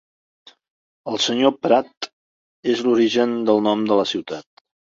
El Sr. Pratt és l'origen del nom de la ciutat.